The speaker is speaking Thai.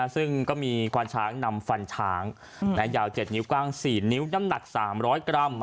ซึ่งก็มีควานช้างนำฟันช้างยาว๗นิ้วกว้าง๔นิ้วน้ำหนัก๓๐๐กรัม